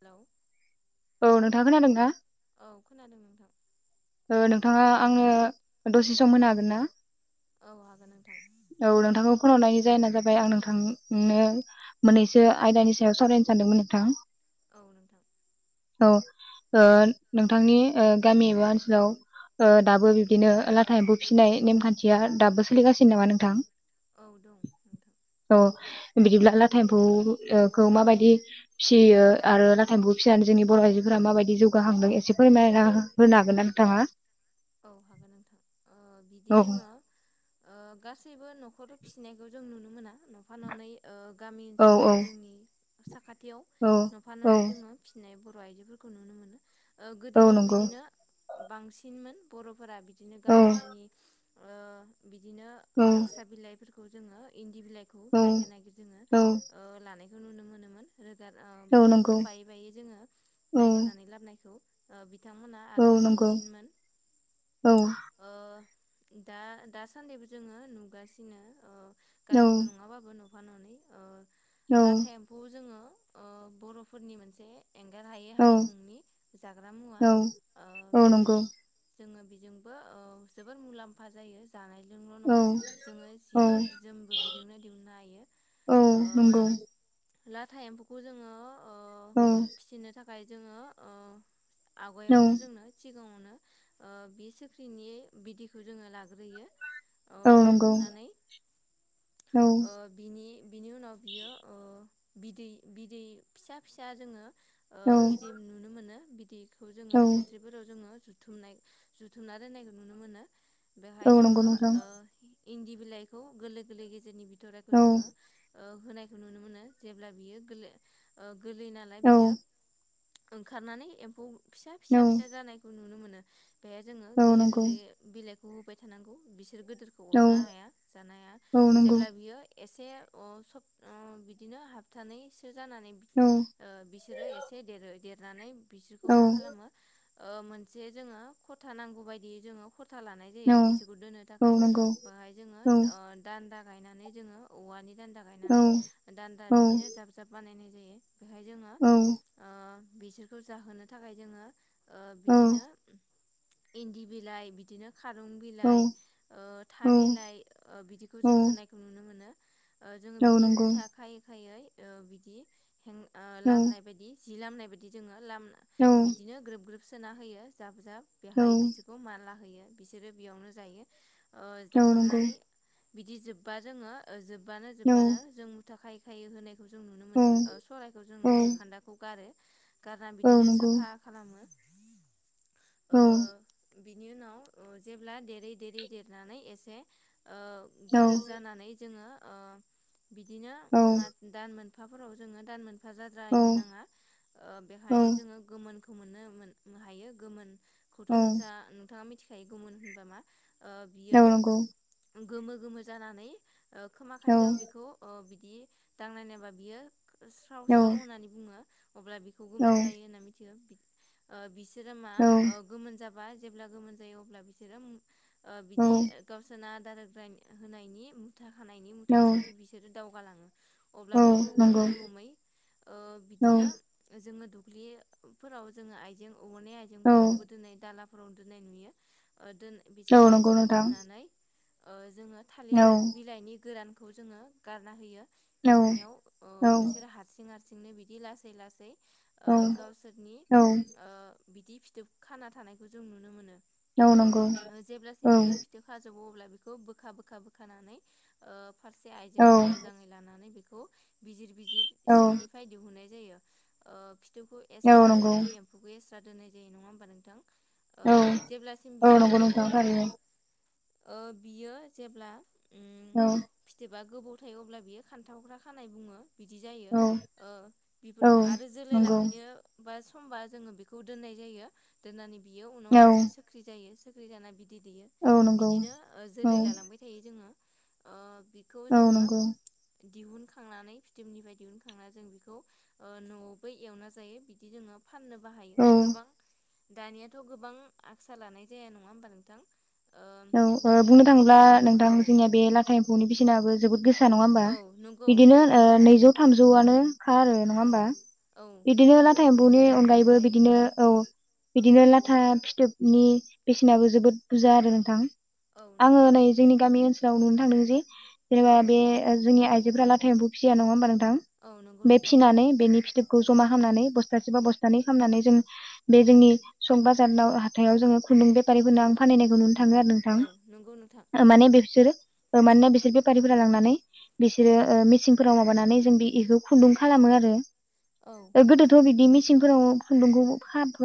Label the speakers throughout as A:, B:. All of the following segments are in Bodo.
A: हेलौ
B: औ नोंथां खोनादोंना?
A: औ खोनादों नोंथां।
B: ओ नोंथाङा आंनो दसे सम होनो हागोन ना?
A: औ हागोन नोंथां।
B: औ नोंथांखौ फन हरनायनि जाहोना जाबाय आं नोंथांनो मोननैसो आयदानि सायाव सावरायनो सानदोंमोन नोंथां।
A: औ नोंथां।
B: औ ओ नोंथांनि गामि एबा ओनसोलाव ओ दाबो बिब्दिनो लाथा एम्फौ फिसिनाय नेमखान्थिया दाबो सोलिगासिनो नामा नोंथां?
A: औ दं नोंथां
B: औ बिदिब्ला लाथा एम्फौ ओ खौ माबायदि फिसियो आरो लाथा एम्फौ फिसिनानै जोंनि बर' आइजोफोरा माबायदि जौगाखांदों एसे फोरमायना होनो हागोन ना नोंथाङा?
A: औ हागोन नोंथां ओ बिदि
B: औ
A: जोङो गासैबो न खर फिसिनायखौ जों नुनो मोना नफा ननै ओ गामि
B: औ
A: ओनसोलाव
B: औ
A: जोंनि साखा थियाव
B: औ
A: नफा
B: औ
A: नानै जोङो फिसिनाय बर' आइजोफोरखौ नुनो मोनो। ओ
B: औ
A: गोदोथ'
B: नंगौ
A: बिदिनो बांसिनमोन बर'फोरा बिदिनो
B: औ
A: गामि गामि ओ बिदिनो
B: औ
A: आक्सा बिलाइफोरखौ जोङो इन दि बिलाइखौ
B: औ
A: नागिर नागिर जोङो
B: औ
A: ओ लानायखौ नुनो मोनोमोन। रोगा ओ
B: औ नंगौ
A: बिखुंङाव बायै बायै जोङो
B: औ
A: नायागिरनानै लाबोनायखौ ओ बिथांमोनहा
B: औ
A: आगोल
B: नंगौ
A: बांसिनमोन।
B: औ
A: ओ दा दासान्दिबो जोङो नुगासिनो ओ
B: औ
A: गासैबो नङाबाबो न फा ननै ओ
B: औ
A: लाथा एम्फौ जोङो बर'फोरनि मोनसे एंगार हायै
B: औ
A: हारिमुनि जाग्रा मुवा
B: औ
A: ओ
B: औ
A: बियो
B: नंगौ
A: जोङो बेजोंबो जोबोर मुलाम्फा जायो। जानायजोंल'
B: औ
A: नङा जोङो जि
B: औ
A: जोमबो बिजोंनो दिहुननो हायो।
B: औ
A: ओ
B: नंगौ।
A: लाथा एम्फौखौ जोङो
B: औ।
A: ओमफ्राय जोङो ओ
B: औ
A: आवगायावनो जोंङो सिगाङावनो ओ बे सोख्रिनि बिदिखौ जोङो लाग्रोयो। अ
B: औ नंगौ
A: लाग्रोनानै
B: औ
A: ओ बिनि बिनि उनाव बियो ओ बिदै बिदै फिसा फिसा जोङो ओ
B: औ
A: बिदै नुनो मोनो बिदैखौ जोङो हिस्रिफोराव जोङो बुथुमनाय जुथुमना दोननायखौ नुनो मोनो
B: औ
A: बेवहाय
B: नंगौ
A: जोङो
B: नोंथां
A: ओ इन्दि बिलाइखौ गोरलै गोरलै गेजेरनि बिथ'राइखौ
B: औ
A: जोङो ओ होनायखौ नुनो मोनो जेब्ला बियो गोरलै नालाय
B: औ
A: बियो ओंखारनानै एम्फौ फिसा
B: औ
A: फिसा फिसा जानायखौ नुनो मोनो। जे जोङो
B: औ
A: गोरलै
B: नंगौ
A: गोरलै बिलाइखौ होबाय थानांगौ बि सोर गोदोरखौ
B: औ
A: अरनो हाया जानो हाया
B: औ नंगौ
A: जेब्ला बियो एसे अ सब बिदिनो हाबथानै जानानै बिसोर जानानै
B: औ
A: बिसोरो एसे देरो देरनानै बिसोरखौ
B: औ
A: मा खालामो मोनसे जोङो खथा नांगौ बायदियै जोङो ख था लानाय जायो बिसोरखौ दोननो
B: औ
A: थाखाय
B: नंगौ
A: बाहाय जोङो
B: औ
A: दानदा गायनानै जोङो औवानि दान्दा गायनानै
B: औ औ
A: दान्दा बिदिनो जाब जाब बानायनाय जायो। बेहाय जोङो
B: औ औ
A: ओ बिसोरखौ जाहोनो थाखाय जोङो बिदिनो इन्दि बिलाइ बिदिनो खारं बिलाइ था बिलाइ बिदिखौ जों होनायखौ नुनो मोनो। ओ जोङो
B: औ
A: बिदि
B: नंगौ
A: मुथा खायै खायै बिदि लामनाय बायदि जि लामनाय बायदि जोङो लाम
B: औ
A: बिदिनो ग्रोब ग्रोब सोना होयो जाब जाब
B: औ
A: बेहाय बिसोरखौ माला होयो बिसोरो बेयावनो जायो
B: औ नंगौ
A: जाखांनानै बिदि जोब्बा जोङो ओ जोब्बानो
B: औ
A: जोब्बानो जों मुथा खायै खायै होनाय जों नुनो
B: औ
A: मोनो ओ सलायखौ जों
B: औ
A: जाखान्दाखौ गारो। गारना
B: औ
A: बिदिनो
B: नंगौ
A: साफा खालामो। ओ
B: औ
A: बिनि उनाव ओ जेब्ला देरै देरै देरनानै एसे ओ
B: औ
A: गोदोर जानानै जोङो ओ बिदिनो
B: औ
A: दान मोन फाफोराव जोङो दान मोनफा
B: औ
A: जाद्रायनो नाङाओ
B: औ
A: बेहायनो जोङो गोमोनखौ मोननो मोन। हायो
B: औ
A: गोमोनखौथ' नोंथासा नोंथाङा मिथिखायो गोमोन होनबा मा? बियो
B: औ नंगौ।
A: गोमो गोमो जानानै ओ खोमा
B: औ
A: खाथियाव बेखौ ओ बिदि दांनायनायबा बियो
B: औ
A: स्राव स्राव होननानै बुङो। अब्ला बिखौ गोमोन जायो होनना मिथियो। ओ बिसोरो मा ओ गोमोन जाबा जेब्ला गोमोन जायो अब्ला बिसोरो ओ
B: औ
A: बिदि गावसोरनो आदार होग्र होनायनि मुथा खानायनि
B: औ
A: मुथा साथि बिसोरो दावगालाङो अब्ला
B: औ
A: बेखौ
B: नंगौ
A: हमै हमै ओ
B: औ
A: बिदिनो जोङो दुख ब्लिफोराव जोङो आइजें औवानि
B: औ
A: आइजेंफोरावबो दोननाय दालाफोराव दोननाय नुयो। ओ दोन
B: औ
A: बिसोरखौ
B: नंगौ
A: एक्सट्रा
B: नोंथां
A: दोननानै ओ जोङो
B: औ
A: थालिर बिलाइनि गोरान खौ जोङो गारना होयो
B: औ
A: बिदिनियाव
B: औ
A: बिसोरो हारसिं हारसिं थिंनो बिदि लासै लासै ओ
B: औ
A: गावसोरनि ओ बिदि फिथोब खाना थानायखौ जों नुनो मोनो।
B: औ नंगौ
A: ओ जेब्लासिम
B: औ
A: बियो फिथोब खाजोबो अब्ला बेखौ बोखा बोखा बोखानानै ओ फारसे
B: औ
A: आइजेङाव मोजाङै लानानै बि खौ बिजिर बिजिर
B: औ
A: सिंनिफ्रायाय दिहुननाय जायो ओ फिथोबखौ
B: औ
A: एस्रा आरो
B: नंगौ
A: बे एम्फौखौ एस्रा दोननाय जायो नङा ओमबा नोंथां? ओ
B: औ
A: जेब्लासिम
B: औ
A: बियो
B: नंगौ नोंथां
A: गोबौ
B: थारैनो।
A: ओ बियो जेब्ला
B: औ
A: एबा गोबौ थायो अब्ला बियो खान्थावग्रा खानाय बुङो। बिदि जायो
B: औ
A: ओ बिगु
B: औ
A: आरो जोलै
B: नंगौ
A: लाखिनो बा समबा जोङो बेखौ दोन्नाय जायो दोननानै बियो उनाव
B: औ
A: लासै सोख्रि जायो सोख्रि जाना बि बिदै दैयो
B: औ नंगौ
A: बिदिनो ओ
B: औ
A: जोलै लालांबाय थायो जोङो ओ बिखौ
B: औ
A: जोङो
B: नंगौ
A: दिहुनखांनानै फिथोबनिफ्राय दिहुनखांनानै जों बेखौ न'आवबो एवना जायो बिदि जोङो फाननोबो हायो
B: औ
A: गोबां दानियाथ' गोबां आसा लानाय जाया नङा ओमबा नोंथां? ओ
B: औ ओ बुंनो थाङोब्ला
A: बि
B: नोंथां
A: औ
B: जोंनिया बे लाथा एम्फौनि बिसिनाबो जोबोद गोस सा नङा होमबा
A: औ नंगौ
B: बिदिनो
A: जोबोर
B: ओ
A: गोसा
B: नैजौ थामजौआनोखा आरो नङा
A: औ
B: ओमबा?
A: औ
B: बिदिनो ला
A: थामजौ
B: थाइम्फौनि
A: ब्रैजौफोरानो
B: अनगायैबो
A: जायो
B: बिदिनो औ बिदिनो लाथा फिथोबनि बेसेनाबो जोबोद बुरजा आरो नोंथां।
A: औ
B: आङो
A: नंगौ
B: नै जोंनि गामि ओनसोलाव नुनो थांदों जे जेनेबा
A: औ
B: बे जोंनि आइजो जोफ्रा लाटा एमफौ फिया नङा होमबा नोंथां
A: औ नंगौ
B: बे
A: नोंथां
B: फिनानै बेनि फिथोब खौ जमा खालामनानै बस्थासे बा बस्थानै खालामनानै जों बे जोंनि सं बाजाराव हाथायाव जो खुन्दुं बेफारिफोरनो आं फानहैनायखौ नुनो थाङो आरो
A: औ नंगौ
B: नोंथां माने
A: थारैनो
B: बेसोरो ओ मानोना बिसोर बेफारिफोरा लांनानै बिसोरो ओ मेचिंफोराव माबानानै जों बे इखौ खुन्दुं खालामो आरो
A: औ
B: गोदोथ' बिदि मेसिनफोराव खुदुंखौ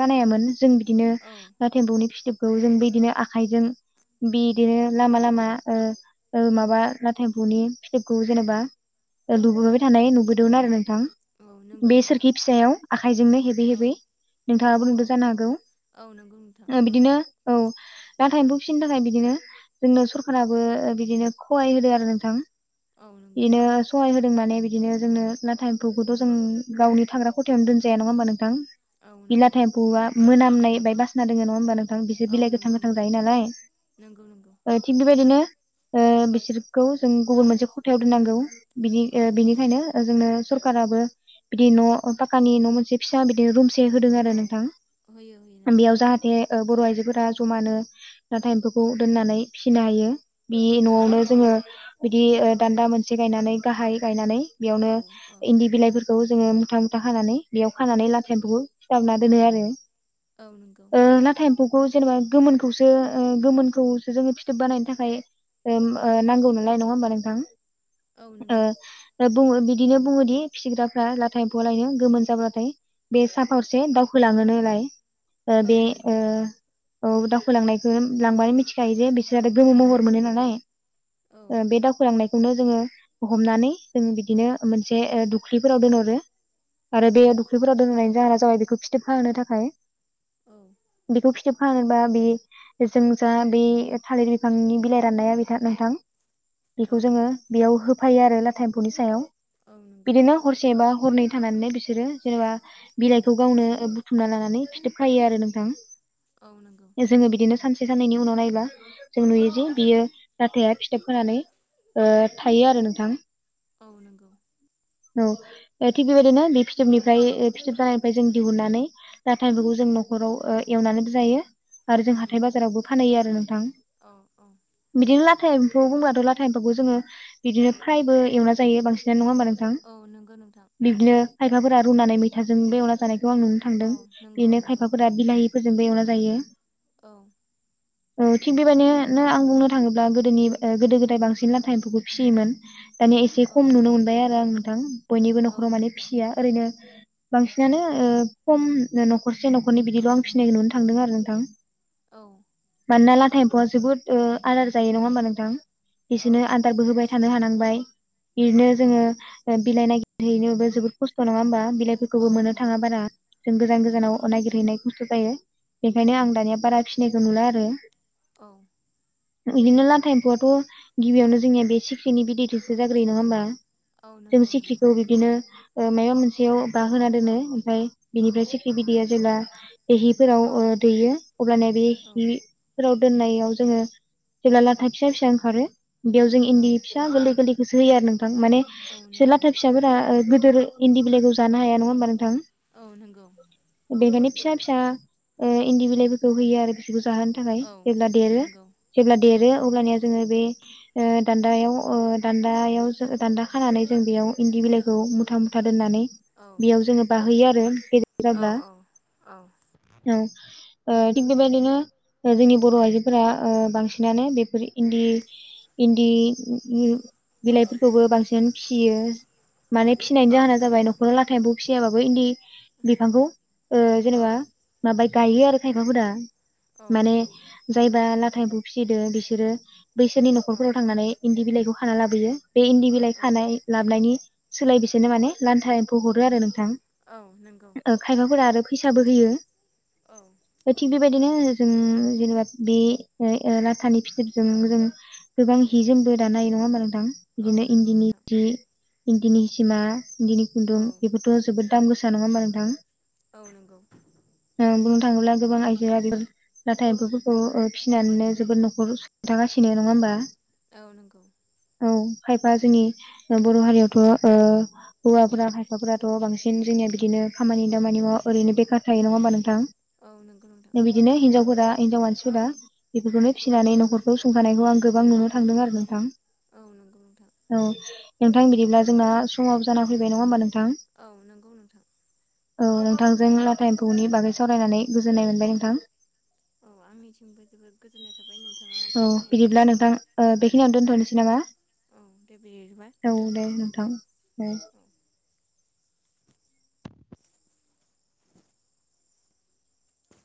B: बानायामोन जों बिदिनो
A: औ
B: लाथाएम्फौनि फिथोबखौ जों बिदिनो आखजों बिदिनो लामा लामा ओ ओ
A: औ
B: माबा लाथा एम फौनि फिथोबखौ जेनेबा ओ दचबोबाय थानाय नुबोदोंमोन आरो नोंथां
A: औ नंगौ
B: बे
A: नोंथां
B: सोरखि फिसायाव आखाइजोंनो हेबै
A: औ
B: हेबै
A: औ
B: नोंथाङाबो नुदों
A: औ
B: जानो हागौ
A: औ नंगौ नोंथां
B: ओ बिदिनो औ नाथायम एमफौ फिनो थाखाय बिदिनो जोंनो सरखाराबो बिदिनो खहाय होदो आरो नोंथां।
A: औ नंगौ
B: बेनो
A: नोंथां
B: सहाय होदों मान बिदि। बिदिनो जोंनो नाथाइ एम्फौखौथ' जों गावनि थाग्रा खथायावनो दोनजाया नङा होमबा नोंथां।
A: औ नंगौ
B: बिलाथा एम्फौआ मोनामनाय बाय बासना दङ नङा होमबा नोंथां बिसोर
A: औ
B: बिलाइ गोथां।
A: नंगौ
B: थां
A: नंगौ
B: जायो नालाय
A: नंगौ नंगौ
B: थिग बेबायदिनो। ओ बिसोरखौ जों गुबुन मोनसे खथायाव दोननांगौ बिदि
A: औ
B: बिनिखायनो जोंनो। सरखाराबो बिदि न' पााखानि न' मोनसे फिसा बिदिनो रुम। होदों
A: औ
B: आरो नोंथां
A: होयो होयो नोंथां
B: बेयाव जाहाथे बर' आइजोफोरा। जमानो नाथाय एम्फौखौ दोननानै फिसिनो हायो बे
A: औ
B: न'आवनो जोङो। बिदि दान्दा मोनसे गायनानै गाहाय गायनानै
A: औ
B: बेयावनो
A: औ
B: इन्दि बिलाइफोरखौ। जोङो मुथा मुथा खानानै बेयाव खानानै लाथा एम्फौखौ सिथाबना दोनो आरो।
A: औ नोंगौ।
B: फौखौ जेनेबा गोमोनखौसो गोमोनखौसो जोङो फिथोब बानायनो थाखाय। ओ नांगौ नालाय नङा होमबा नोंथां
A: औ
B: ओ
A: नंगौ
B: ओ। बुङो बिदिनो बुङोदि फिग्राफ्रा लाथाय एम्फौआलायनो गोमोन जाब्लाथाय बे सा फारसे दावखोलाङो। मोनोलाय ओ
A: औ
B: बे
A: नंगौ
B: ओ। औ दावखोलांनायखौ लांबानो मिथिखायो जे बिसोर गोमो महर मोनो नालाय।
A: औ
B: ओ बे दावखोलांनाय। खौनो जोङो हमनानै जों बिदिनो मोनसे दुख्रिफोराव दोनहरो। आरो बे
A: औ
B: दुख्रिफोराव दोननायनि जाहोना जाबाय बेखौ फिथोबखाहोनो थाखाय
A: औ
B: बेखौ फि। खाहोनोबा बे जों जा बे थालिर बिफांनि बिलाइ राननाया नोंथां। बेखौ
A: औ
B: जोङो बेयाव होफायो आरो लाथा एम्फौनि सायाव
A: औ नंगौ
B: बिदिनो हरसेबा। हरनै थांनानैनो बिसोरो जेनेबा
A: औ
B: बिलाइखौ गावनो बुथुमना लानानै। फिथोबखायो आरो नोंथां
A: औ नंगौ
B: जोङो बिदिनो सानसे। साननैनि उनाव नायबा जों नुयो जे बियो लाथाया फिथोब खानानै। ओ थायो आरो नोंथां।
A: औ नोंगौ।
B: औ थिग बेबायदिनो बे फिथोबनिफ्राय फिथोब जानायनिफ्राय जों दिहुननानै लाथा एम्फौखौ जों। न'खराव ओ एवनानै। जायो आरो जों
A: औ
B: हाथाय
A: नंगौ
B: बाजारावबो फानहैयो आरो नोंथां
A: औ औ
B: बिदिनो लाथ। था एम्फौ होनबाथ' लाथा एम्फौखौ जोङो बिदिनो फ्रायबो एवना जायो बांसिनना नङा होनबा नों।
A: औ नोंगौ नोंथां।
B: खायफाफोरा रुनानै मैथाजों बे एवना जानायखौ आं नुनो
A: औ
B: थांदों
A: नंगौ
B: बिदिनो
A: नंगौ
B: खायफाफोरा बिलाहिफोरजों बे एवना। जायो।
A: औ।
B: औ थिग बेबायदिनो नों आं बुंनो थाङोब्ला गोदोनि गोदो गोदाय बांसिन लाथा एम्फौखौ फियोमोन। दानिया एसे
A: औ
B: खम नुनो मोनबाय आरो आं नोंथां बयनिबो
A: औ
B: न'खराव माने फिया। ओरैनो बांसिनानो ओ खम न'खरसे न'खरनै बिदिल' आं फिनायनुनोथां। थांदों आरो नोंथां।
A: औ।
B: मानोना लाथा एम्फौआ जोबोद ओ आदार जायो नङा होमबा नोंथां।
A: औ
B: बिसोरनो आदारबो होबाय थानो हानांबाय बिदिनो
A: औ
B: जोङो बिलाइना। हैनोबो जोबोद खस्थ' नङा होमबा
A: औ
B: बिलाइफोरखौबो मोननो
A: नंगौ
B: थाङा बारा जों गोजान गोजानाव
A: नंगौ
B: नागिरहैनाय खौ। जायो बेखायनो आं दानिया बारा फिनायखौ नुला आरो।
A: औ।
B: बिदिनो लाथा एम्फौआथ' गिबियावनो जोंनिया बे सिख्रिनि बिदैथिसो जाग्रोयो नङा होमबा।
A: औ
B: जों
A: नंगौ नंगौ
B: सिख्रिखौ बिदिनो। ओ मायबा मोनसेयाव बाहोना दोनो ओमफ्राय बिनिफ्राय सिख्रि बिदैया जेब्ला। जेराव
A: औ
B: ओ दैयो अब्लानिया बे
A: औ
B: हि फोराव। दोननायाव जोङो जेब्ला लाथा फिसा फिसा ओंखारो बेयाव जों
A: औ
B: इन्दि फिसा गोरलै गोरलै। गोसो होयो आरो नोंथां माने
A: औ
B: बिसोर
A: नंगौ
B: लाथा फिसाफोरा गोदोर इन्दि बिलाइखौ जानो हाया नङा होमबा नों थां
A: औ नंगौ
B: बेनिखायनो मानि फिसा फिसा इन्दि बिलाइफोरखौ होयो आरो बिखौ जाहोनो थाखाय
A: औ
B: जेब्ला देरो
A: नंगौ
B: जेब्ला
A: औ
B: देरो अब्लानिया जोङो बे ओ दान्दायाव दान्दायाव दान्दा खानानै जों बेयाव इन्दि बिलाइखौ मुथा मुथा दोननानै बेयाव जोङो बाहोयो आरो गेदेर
A: औ
B: जाब्ला
A: औ औ
B: थिग बेबायदिनो जोंनि बर' आइजोफोरा ओ बांसिनानो बेफोर इन्दि इन्दि बिलाइफोरखौबो बांसिन फिसियो माने फिसिनायनि
A: औ
B: जाहोना जाबाय नखराव लाथा एम्फौ फिसियाबाबो इन्दि बिफांखौ जेनेबा
A: औ
B: माबा गायो आरो खायफाफोरा
A: औ
B: माने
A: नंगौ
B: जायबा ला था एम्फौ फिसिदो बिसोरो बैसोरनि
A: औ
B: न'खरफोराव थांनानै इन्दि बिलाइखौ खाना लाबोयो बे इन्दि बिलाइ
A: औ
B: खानाय लाबोनायनि सोलाय बिसोरनो माने लान्था एम्फौ हरो आरो नोंथां
A: औ नंगौ
B: खायफाफोरा आरो फैसाबो होयो
A: औ
B: थिग बेबायदि बिदिनो जों जेनेबा बे लाथानि फिथोबजों जों गोबां हि जोमबो दानाय नङा होमबा नों थां
A: औ
B: बिदिनो
A: नंगौ
B: इन्दिनि
A: नोंथां
B: सि इन्दिनि सिमा इन्दिनि खुन्दुं
A: औ
B: बेफोरथ' जोबोद दाम गोसा नङा होमबा नोंथां
A: औ नंगौ
B: बुंनो थाङोब्ला गोबां आइजोआ लाथा एम्फौफोरखौ फिसिनानैनो जोबोद न'खर जागासिनो फिसिनो नङा होमबा
A: औ नंगौ
B: औ खायफा जोंनि बर' हारियावथ' ओ हौवाफोरा खायफाफोराथ' बांसिन जोंनि बिदिनो खामानि दामानि मावा ओरैनो बेखार थायो नङा होमबा
A: औ नंगौ नोंथां
B: नोंथां बिदिनो हिनजावफोर हिनजाव मानसिफोरा बेफोरखौनो फिसिनानै न'खरखौ संखानायखौ आं गोबां नुनो थांदों आरो नोंथां
A: औ नंगौ नोंथां
B: औ नोंथां बिदिब्ला जोंना समाव जाना फैबाय नङा होमबा नों
A: औ नंगौ नोंथां
B: औ नोंथांजों लाथा एम्फौनि बागै सावरायनानै गोजोननाय मोनबाय नोंथां
A: औ आंनिथिंबो जोबोद गोजोननाय थाबाय नोंथाङा
B: औ
A: फोरमायनायनि
B: बिदिब्ला
A: थाखाय
B: नोंथां ओ बेखिनियावनो दोनथ'नोसै
A: औ दे बिदिबा
B: नामा औ
A: नोंथां
B: दे नोंथां दे [inaudible]
A: औ